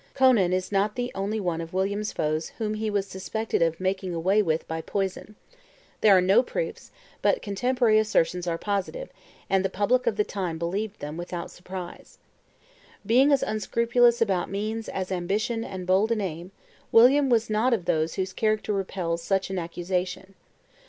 Conan is not the only one of William's foes whom he was suspected of making away with by poison: there are no proofs; but contemporary assertions are positive, and the public of the time believed them, without surprise. Being as unscrupulous about means as ambitious and bold in aim, William was not of those whose character repels such an accusation.